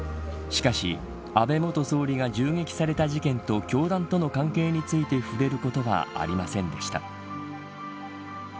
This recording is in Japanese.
しかし、安倍元総理が銃撃された事件と教団との関係について触れることはありませんでした。